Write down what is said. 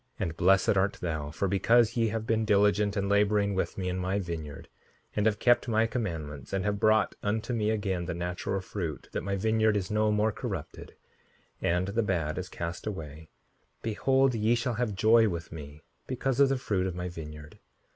And blessed art thou; for because ye have been diligent in laboring with me in my vineyard, and have kept my commandments, and have brought unto me again the natural fruit, that my vineyard is no more corrupted, and the bad is cast away, behold ye shall have joy with me because of the fruit of my vineyard.